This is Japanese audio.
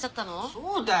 そうだよ。